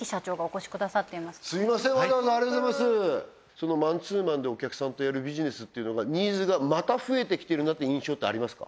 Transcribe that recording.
そのマンツーマンでお客さんとやるビジネスっていうのがニーズがまた増えてきてるなって印象ってありますか？